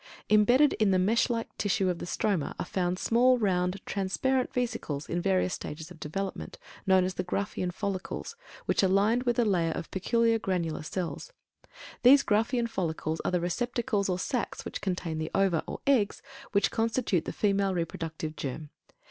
Imbedded in the mesh like tissue of the stroma are found numerous small, round, transparent vesicles, in various stages of development, known as the Graafian follicles, which are lined with a layer of peculiar granular cells. These Graafian follicles are the receptacles or sacs which contain the ova, or eggs, which constitute the female reproductive germ.